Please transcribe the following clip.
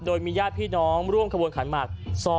โดยมีญาติพี่น้องร่วมขบวนขันหมัก